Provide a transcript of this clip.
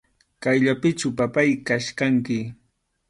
Kayllapichu, papáy, kachkanki.